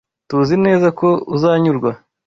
TUZI neza ko uzanyurwa